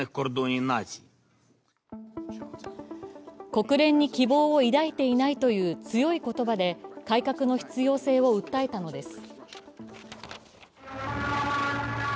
国連に希望を抱いていないという強い言葉で改革の必要性を訴えたのです。